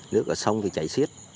nước ở sông thì chảy xiết